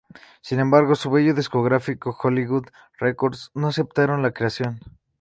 Sin embargo, su sello discográfico Hollywood Records, no aceptaron la creación.